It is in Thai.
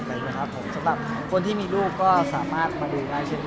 แต่สำหรับคนที่มีลูกก็สามารถมาดูรายเช่นกัน